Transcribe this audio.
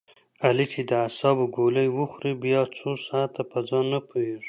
علي چې د اعصابو ګولۍ و خوري بیا څو ساعته په ځان نه پوهېږي.